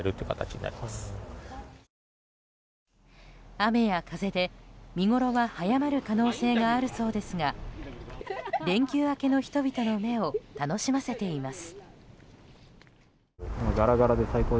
雨や風で、見ごろは早まる可能性があるそうですが連休明けの人々の目を楽しませています。